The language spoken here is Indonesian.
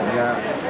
itu udah ya